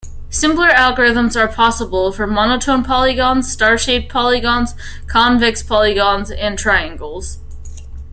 Simpler algorithms are possible for monotone polygons, star-shaped polygons, convex polygons and triangles.